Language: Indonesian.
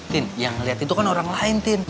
tin yang ngeliat itu kan orang lain tin